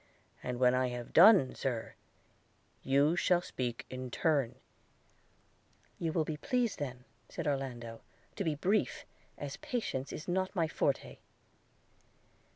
And when I have done, Sir, you shall speak in turn –' 'You will be pleased then,' said Orlando, 'to be brief, as patience is not my forte.'